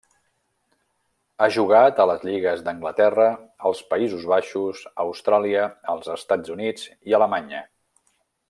Ha jugat a les lligues d'Anglaterra, els Països Baixos, Austràlia, els Estats Units i Alemanya.